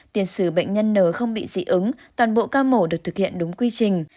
tiền sử bệnh nhân n không bị dị ứng toàn bộ ca mổ được thực hiện đúng quy trình